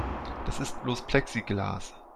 Das ist bloß Plexiglas.